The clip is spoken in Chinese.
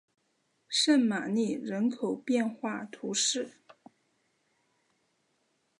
圣玛丽人口变化图示